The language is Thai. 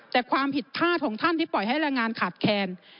แต่ความผิดพลาดของท่านที่ปล่อยให้แรงงานขาดแคลน